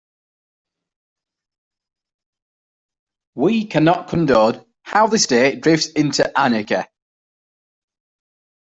We cannot condone how the state drifts into anarchy.